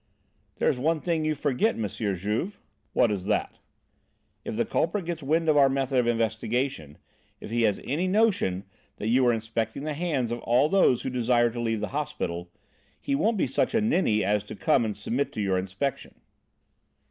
"There is one thing you forget, M. Juve." "What is that?" "If the culprit gets wind of our method of investigation, if he has any notion that you are inspecting the hands of all those who desire to leave the hospital, he won't be such a ninny as to come and submit to your inspection."